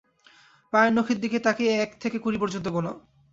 পায়ের নখের দিকে তাকিয়ে এক থেকে কুড়ি পর্যন্ত গোনা।